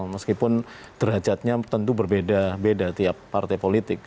meskipun derajatnya tentu berbeda beda tiap partai politik